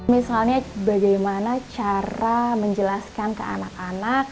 misalnya bagaimana cara menjelaskan ke anak anak